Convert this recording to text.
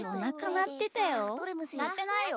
なってないよ。